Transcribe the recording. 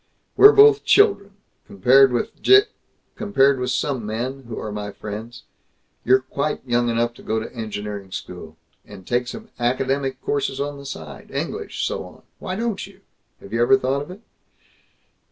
"We're both children, compared with Je compared with some men who are my friends. You're quite young enough to go to engineering school. And take some academic courses on the side English, so on. Why don't you? Have you ever thought of it?"